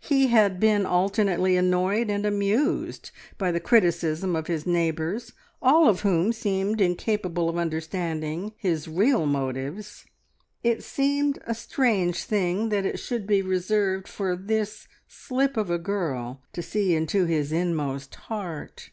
He had been alternately annoyed and amused by the criticism of his neighbours, all of whom seemed incapable of understanding his real motives. It seemed a strange thing that it should be reserved for this slip of a girl to see into his inmost heart.